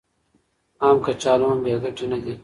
عام کچالو هم بې ګټې نه دي.